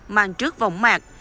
mang trước vòng mạc